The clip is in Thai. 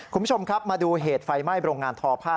คุณผู้ชมครับมาดูเหตุไฟไหม้โรงงานทอผ้า